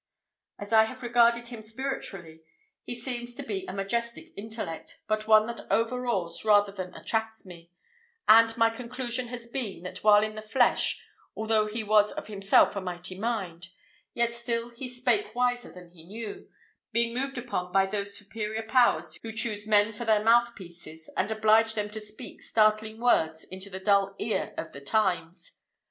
As I have regarded him spiritually, he seems to be a majestic intellect, but one that overawes rather than attracts me; and my conclusion has been, that while in the flesh, although he was of himself a mighty mind, yet still he spake wiser than he knew, being moved upon by those superior powers who choose men for their mouthpieces, and oblige them to speak startling words into the dull ear of the times.